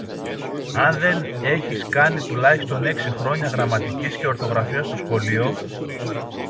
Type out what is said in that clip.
αν δεν έχεις κάνει τουλάχιστον έξι χρόνια γραμματικής και ορθογραφίας στο σχολείο